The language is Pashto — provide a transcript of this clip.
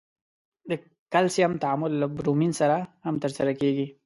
د کلسیم تعامل له برومین سره هم ترسره کیږي.